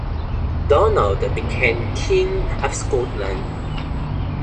Donald became King of Scotland.